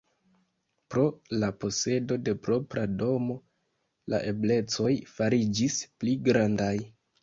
Pro la posedo de propra domo, la eblecoj fariĝis pli grandaj.